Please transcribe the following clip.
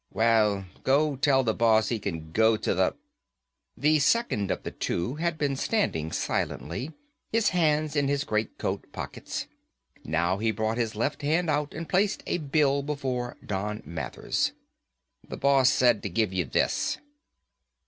"Well, go tell the boss he can go to the ..." The second of the two had been standing silently, his hands in his great coat pockets. Now he brought his left hand out and placed a bill before Don Mathers. "The boss said to give you this."